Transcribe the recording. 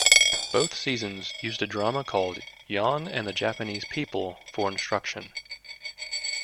Both seasons used a drama called "Yan and the Japanese People" for instruction.